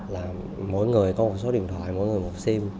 là mỗi người có một số điện thoại mỗi người một sim